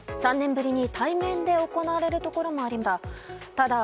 ３年ぶりに対面で行われるところもありました。